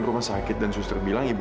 kamu dimana ratu